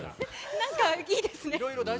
なんかいいですね。